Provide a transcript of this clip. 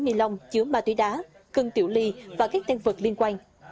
đó là hai túi nilong chứa ma túy đá cưng tiểu ly và các tên vật liên quan